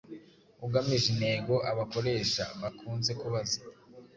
ugamije intego Abakoreha bakunze kubaza